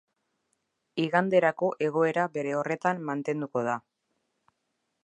Iganderako egoera bere horretan mantenduko da.